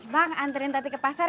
bang anterin tadi ke pasar ya